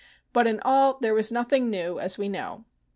But in all there was nothing new, as we know.